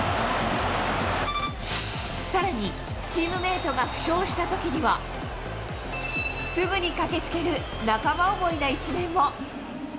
さらに、チームメートが負傷したときには、すぐに駆けつける仲間思いな一面も。